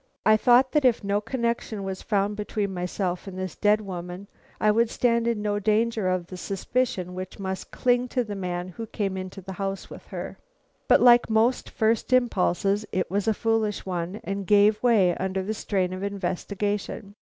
I thought that if no connection was found between myself and this dead woman, I would stand in no danger of the suspicion which must cling to the man who came into the house with her. But like most first impulses, it was a foolish one and gave way under the strain of investigation.